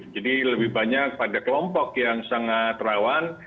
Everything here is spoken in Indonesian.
jadi lebih banyak pada kelompok yang sangat rawan